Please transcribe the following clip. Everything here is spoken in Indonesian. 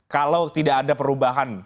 kalau tidak ada perubahan